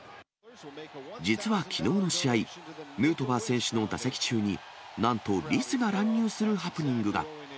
実はきのうの試合、ヌートバー選手の打席中に、なんとリスが乱入するハプニングが。